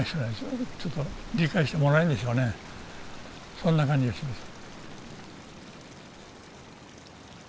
そんな感じがしました。